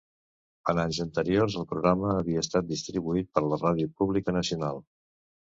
En anys anteriors, el programa havia estat distribuït per la ràdio pública nacional.